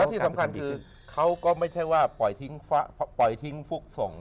แล้วที่สำคัญคือเขาก็ไม่ใช่ว่าปล่อยทิ้งฟุกส่ง